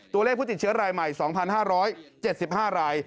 ตัวเลขผู้ติดเชื้อรายใหม่๒๕๗๕ราย